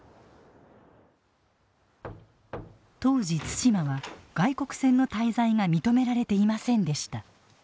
当時対馬は外国船の滞在が認められていませんでした。